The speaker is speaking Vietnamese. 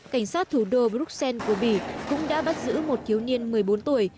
cảnh sát thủ đô bruxelles của bỉ cũng đã bắt giữ một thiếu niên một mươi bốn tuổi